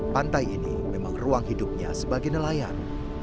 pantai ini memang ruang hidupnya sebagai nelayan